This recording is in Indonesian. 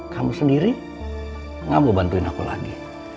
kamu sendiri gak mau bantuin aku lagi